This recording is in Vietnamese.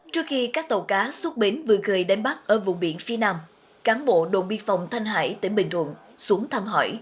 trước khi các tàu cá xuất bến vừa gửi đến bắc ở vùng biển phía nam cán bộ đồn biên phòng thanh hải tỉnh bình thuận xuống thăm hỏi